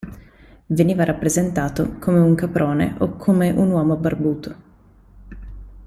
Veniva rappresentato come un caprone o come un uomo barbuto.